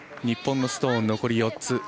日本のストーン、残り４つ。